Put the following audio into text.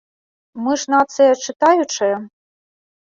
Мы ж нацыя чытаючая?